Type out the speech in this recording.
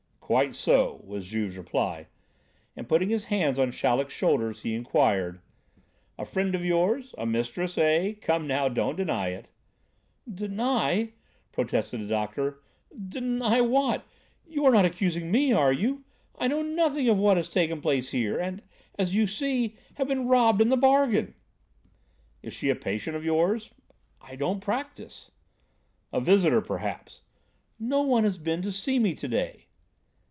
"Quite so," was Juve's reply, and putting his hands on Chaleck's shoulders he inquired: "A friend of yours, a mistress, eh? Come now, don't deny it." "Deny!" protested the doctor, "deny what? You are not accusing me, are you? I know nothing of what has taken place here, and, as you see, have been robbed into the bargain." "Is she a patient of yours?" "I don't practise." "A visitor, perhaps?" "No one has been to see me to day."